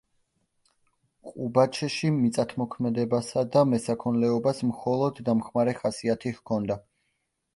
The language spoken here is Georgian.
ყუბაჩში მიწათმოქმედებასა და მესაქონლეობას მხოლოდ დამხმარე ხასიათი ჰქონდა.